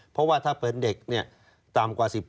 เพราะว่าถ้าเป็นเด็กเนี่ยต่ำกว่า๑๕